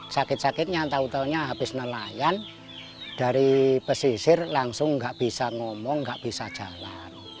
sakit sakitnya tahu tahunya habis nelayan dari pesisir langsung nggak bisa ngomong nggak bisa jalan